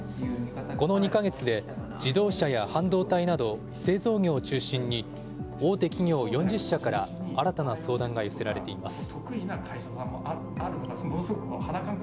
この２か月で自動車や半導体など製造業を中心に大手企業４０社から新たな相談が寄せられています。